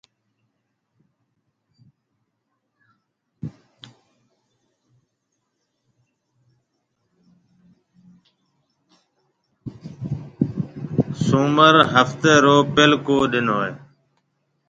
سومر هفتي رو پيلڪو ڏن هيَ۔